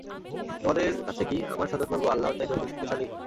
তোমাদের কাছে কি আমার স্বজনবর্গ আল্লাহর চাইতে অধিক শক্তিশালী?